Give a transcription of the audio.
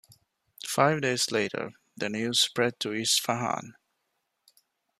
Five days later, the news spread to Isfahan.